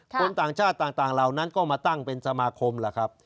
คนต่างชาติต่างเหล่านั้นก็มาตั้งเป็นสมาคมล่ะครับ